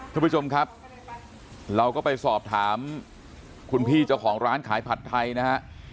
ทุกผู้ชมครับเราก็ไปสอบถามคุณพี่เจ้าของร้านขายผัดไทยนะฮะ